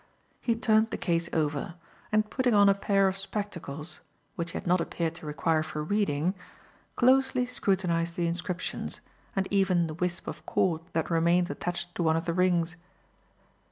He turned the case over, and, putting on a pair of spectacles which he had not appeared to require for reading closely scrutinized the inscriptions, and even the wisp of cord that remained attached to one of the rings.